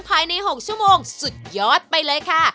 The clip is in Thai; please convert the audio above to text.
ภายใน๖ชั่วโมงสุดยอดไปเลยค่ะ